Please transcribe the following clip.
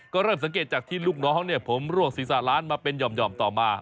ก็เริ่มสังเกตจากที่ลูกน้องผมรวกศีรษะล้านมาเป็นหย่อมต่อมา